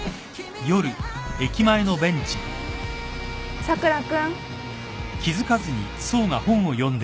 佐倉君。